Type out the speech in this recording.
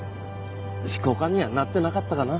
執行官にはなってなかったかな。